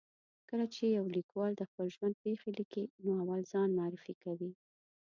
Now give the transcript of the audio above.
کله چې یو لیکوال د خپل ژوند پېښې لیکي، نو اول ځان معرفي کوي.